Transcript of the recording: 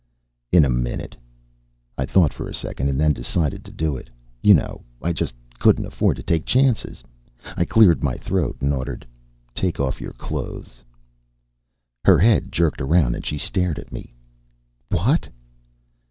"In a minute." I thought for a second and then decided to do it you know, I just couldn't afford to take chances. I cleared my throat and ordered: "Take off your clothes." Her head jerked around and she stared at me. "_What?